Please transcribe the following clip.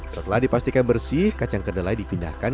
setelah dipastikan bersih kacang kedelai dipindahkan